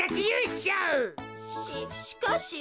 ししかし。